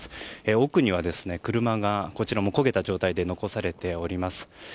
奥には車が、焦げた状態で残されております。